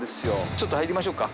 ちょっと入りましょうか。